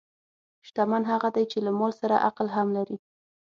شتمن هغه دی چې له مال سره عقل هم لري.